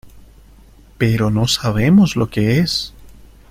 pero no sabemos lo que es.